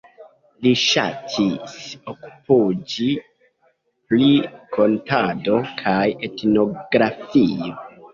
Li ŝatis okupiĝi pri kantado kaj etnografio.